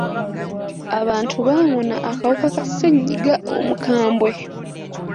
Abantu bawona akawuka ka ssenyiga omukambwe.